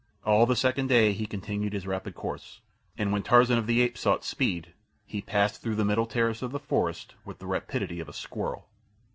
All the second day he continued his rapid course, and when Tarzan of the Apes sought speed, he passed through the middle terrace of the forest with the rapidity of a squirrel.